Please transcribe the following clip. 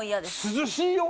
涼しいよ！